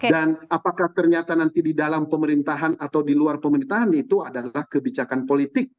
apakah ternyata nanti di dalam pemerintahan atau di luar pemerintahan itu adalah kebijakan politik